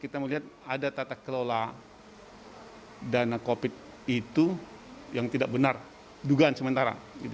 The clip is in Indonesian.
kita melihat ada tata kelola dana covid itu yang tidak benar dugaan sementara